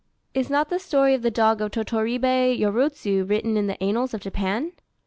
Is not the story of the dog of Totoribé Yorodzu written in the Annals of Japan?